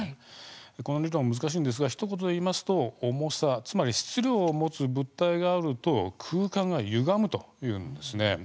この理論、難しいんですがひと言で言いますと、重さつまり質量を持つ物体があると空間がゆがむというんです。